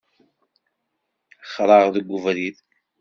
Xraɣ deg ubrid.